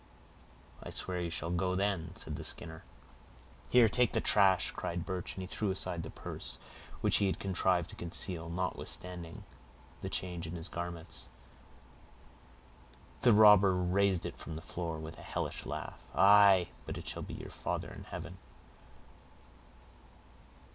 "I swear you shall go then," said the Skinner. "Here, take the trash," cried Birch, as he threw aside the purse, which he had contrived to conceal, notwithstanding the change in his garments. The robber raised it from the floor with a hellish laugh. "Aye, but it shall be to your father in heaven."